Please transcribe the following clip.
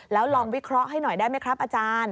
แล้วลองวิเคราะห์ให้หน่อยได้ไหมครับอาจารย์